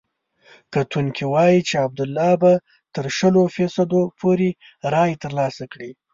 کتونکي وايي چې عبدالله به تر شلو فیصدو پورې رایې ترلاسه کړي.